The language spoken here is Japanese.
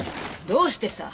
どうしてさ？